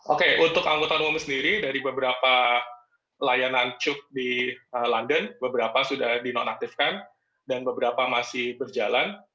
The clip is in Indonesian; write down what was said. oke untuk angkutan umum sendiri dari beberapa layanan cuk di london beberapa sudah dinonaktifkan dan beberapa masih berjalan